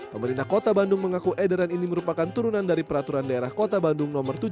pemerintah kota bandung mengaku edaran ini merupakan turunan dari peraturan daerah kota bandung no tujuh